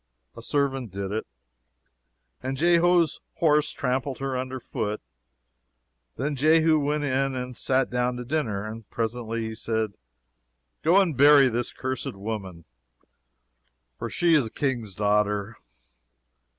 A servant did it, and Jehu's horse trampled her under foot. Then Jehu went in and sat down to dinner; and presently he said, Go and bury this cursed woman, for she is a King's daughter.